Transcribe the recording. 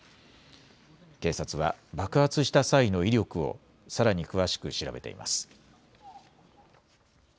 警察は爆発した際の威力をさらに詳しく調べています。